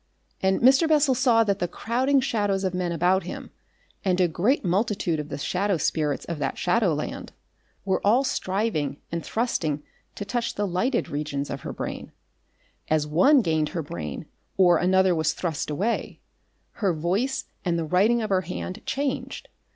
And Mr. Bessel saw that the crowding shadows of men about him, and a great multitude of the shadow spirits of that shadowland, were all striving and thrusting to touch the lighted regions of her brain. As one gained her brain or another was thrust away, her voice and the writing of her hand changed.